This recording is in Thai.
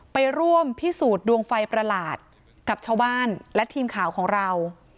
ไปร่วมพิสูจน์ดวงไฟประหลาดกับชาวบ้านและทีมข่าวของเรา